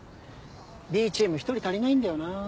Ｂチーム１人足りないんだよな。